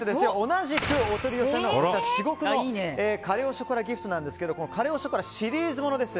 同じくお取り寄せの至極のカレ・オ・ショコラＧＩＦＴですがカレ・オ・ショコラはシリーズものです。